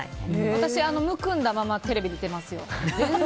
私はむくんだままテレビ出てますよ。